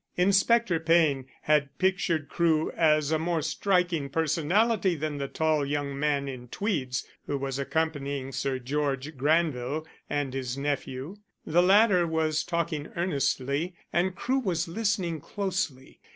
Inspector Payne had pictured Crewe as a more striking personality than the tall young man in tweeds who was accompanying Sir George Granville and his nephew. The latter was talking earnestly, and Crewe was listening closely.